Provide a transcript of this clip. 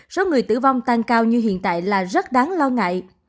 số người tử vong tăng cao như hiện tại là rất đáng lo ngại